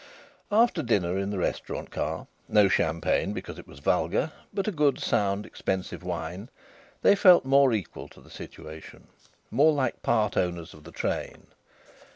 After dinner in the restaurant car no champagne, because it was vulgar, but a good sound, expensive wine they felt more equal to the situation, more like part owners of the train.